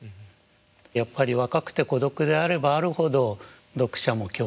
やっぱり若くて孤独であればあるほど読者も共鳴してしまう。